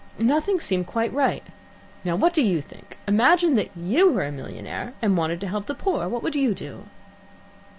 Nothing seemed quite right! Now what do you think? Imagine that you were a millionaire, and wanted to help the poor. What would you do?"